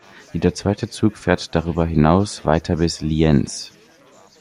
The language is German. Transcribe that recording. Jeder zweite Zug fährt darüber hinaus weiter bis Lienz.